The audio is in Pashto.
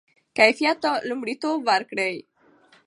کیفیت ته لومړیتوب ورکړئ.